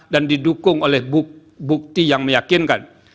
dan didukung oleh bukti yang meyakinkan